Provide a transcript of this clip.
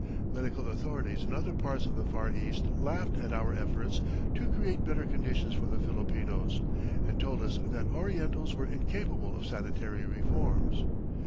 Medical authorities in other parts of the Far East laughed at our efforts to create better conditions for the Filipinos, and told us that Orientals were incapable of sanitary reforms.